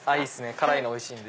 辛いのおいしいんで。